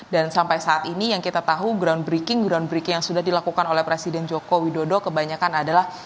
dan sampai saat ini yang kita tahu groundbreaking groundbreaking yang sudah dilakukan oleh presiden joko widodo kebanyakan adalah